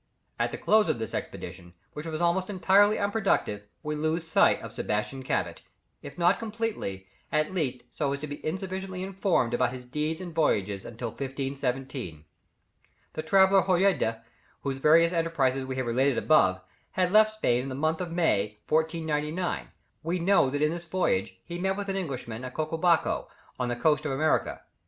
At the close of this expedition, which was almost entirely unproductive, we lose sight of Sebastian Cabot, if not completely, at least so as to be insufficiently informed about his deeds and voyages until 1517. The traveller Hojeda, whose various enterprises we have related above, had left Spain in the month of May, 1499. We know that in this voyage he met with an Englishman at Caquibaco, on the coast of America.